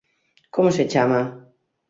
Como se chama?